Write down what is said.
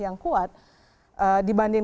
yang kuat dibanding